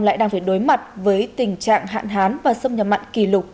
lại đang phải đối mặt với tình trạng hạn hán và sông nhà mặn kỳ lục